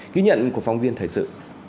ký nhận của phóng viên thời sự